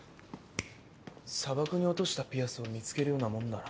砂漠に落としたピアスを見つけるようなもんだな。